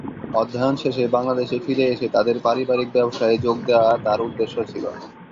অধ্যয়ন শেষে বাংলাদেশে ফিরে এসে তাদের পারিবারিক ব্যবসায়ে যোগ দেয়া তার উদ্দেশ্য ছিল।